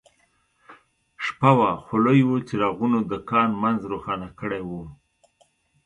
شپه وه خو لویو څراغونو د کان منځ روښانه کړی و